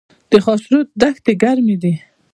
د خاشرود دښتې ګرمې دي